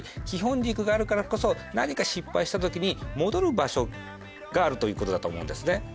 基本軸があるからこそ何か失敗したときに戻る場所があるということだと思うんですね。